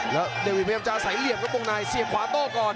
แล้วเดวิทพยายามจะใส่เหลี่ยมครับวงในเสียบขวาโต้ก่อน